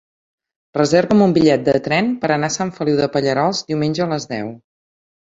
Reserva'm un bitllet de tren per anar a Sant Feliu de Pallerols diumenge a les deu.